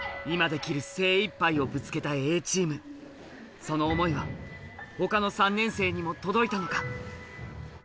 今できる精いっぱいをぶつけたＡチームその思いは他の３年生にも届いたのか？